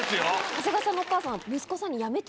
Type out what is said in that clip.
長谷川さんのお母さん。